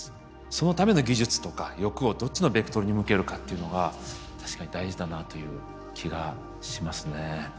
そのための技術とか欲をどっちのベクトルに向けるかっていうのが確かに大事だなという気がしますね。